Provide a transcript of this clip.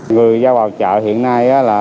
người giao vào chợ hiện nay là tài xế và tiểu thương